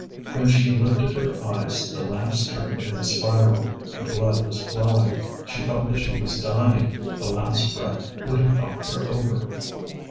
When she lifted her eyes the lamps turned in a spiral. Her blood was flowing; she felt that she was dying; the least breath would have knocked her over.